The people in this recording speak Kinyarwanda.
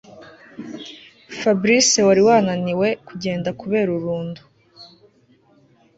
fabric wari wananiwe kugenda kubera urundo